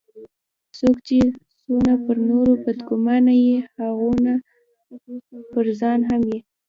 څوک چي څونه پر نورو بد ګومانه يي؛ هغونه پرځان هم يي.